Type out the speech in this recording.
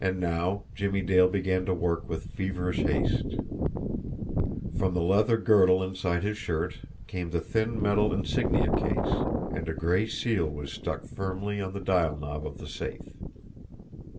And now Jimmie Dale began to work with feverish haste. From the leather girdle inside his shirt came the thin metal insignia case and a gray seal was stuck firmly on the dial knob of the safe.